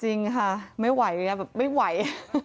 จริงค่ะไม่ไหว